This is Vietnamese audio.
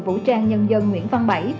vũ trang nhân dân nguyễn văn bảy